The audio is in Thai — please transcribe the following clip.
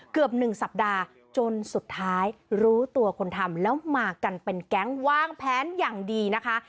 เกือบ๑สัปดาห์จนสุดท้ายรู้ตัวคนทำแล้วมากันเป็นแก๊งวางแผนอย่างดีนะคะ